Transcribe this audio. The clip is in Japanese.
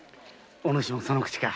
お主もその口か。